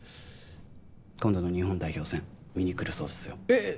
今度の日本代表戦見に来るそうっすよえっ！？